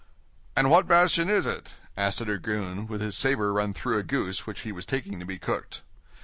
"And what bastion is it?" asked a dragoon, with his saber run through a goose which he was taking to be cooked.